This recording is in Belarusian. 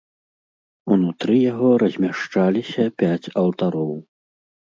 Унутры яго размяшчаліся пяць алтароў.